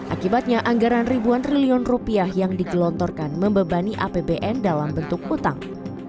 akibatnya anggaran ribuan triliun rupiah yang digelontorkan membebani apbn dalam bentuk utang